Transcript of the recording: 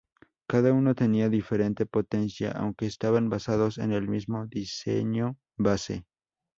Cada uno tenía diferente potencia aunque estaban basados en el mismo diseño base.